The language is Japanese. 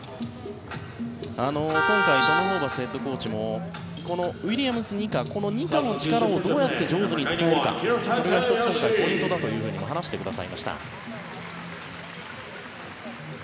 今回トム・ホーバスヘッドコーチもこのウィリアムス・ニカニカの力をどうやって上手に使えるかそれが１つ、今回ポイントだとも話してくださいました。